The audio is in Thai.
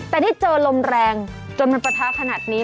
แต่ได้เจอลมแรงจนมันปะทะขนาดนี้